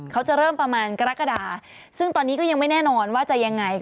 เขาจะเริ่มประมาณกรกฎาซึ่งตอนนี้ก็ยังไม่แน่นอนว่าจะยังไง